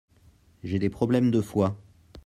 J'ai des problèmes de foie.